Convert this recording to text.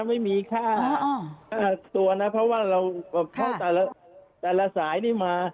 ไม่มีค่าตัวนะเพราะว่าเราเข้าแต่ละสายนี่มา